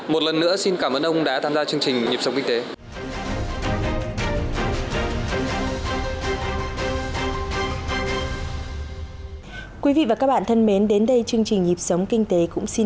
một lần nữa xin cảm ơn ông đã tham gia chương trình nhịp sống kinh tế